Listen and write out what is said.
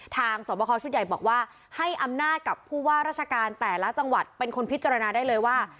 สวบคอชุดใหญ่บอกว่าให้อำนาจกับผู้ว่าราชการแต่ละจังหวัดเป็นคนพิจารณาได้เลยว่า